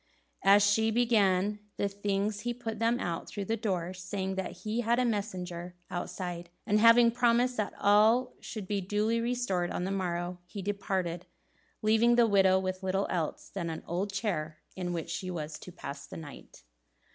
As she gave the things he put them out through the door, saying that he had a messenger outside; and having promised that all should be duly restored on the morrow, he departed, leaving the widow with little else than an old chair in which she was to pass the night.